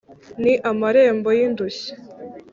ni marembo y' indushyi;